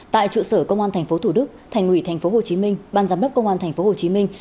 tại trụ sở công an tp thủ đức thành ủy tp hồ chí minh ban giám đốc công an tp hồ chí minh